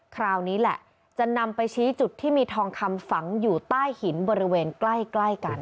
คราวนี้แหละจะนำไปชี้จุดที่มีทองคำฝังอยู่ใต้หินบริเวณใกล้กัน